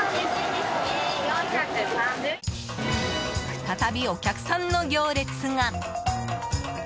再び、お客さんの行列が。